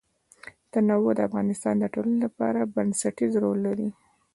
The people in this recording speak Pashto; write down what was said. تنوع د افغانستان د ټولنې لپاره بنسټيز رول لري.